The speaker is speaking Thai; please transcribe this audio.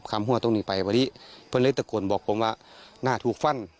คำหัวตรงนี้ไปวันนี้เพื่อนเลยตะโกนบอกผมว่าหน้าถูกฟัน